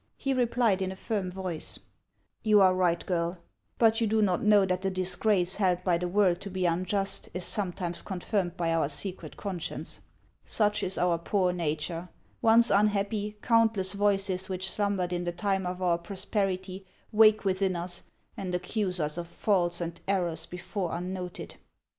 He replied in a firm voice :—" You are right, girl. But you do not know that the disgrace held by the world to be unjust is sometimes con firmed by our secret conscience. Such is our poor nature ; once unhappy, countless voices which slumbered in the time of our prosperity wake within us and accuse us of faults and errors before unnoted."